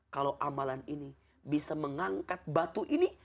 kalau amalan ini bisa mengangkat batu ini